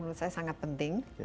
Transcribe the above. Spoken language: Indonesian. menurut saya sangat penting